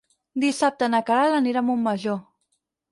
Dissabte na Queralt anirà a Montmajor.